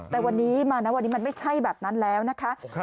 แต่วันนี้มานะวันนี้มันไม่ใช่แบบนั้นแล้วนะคะ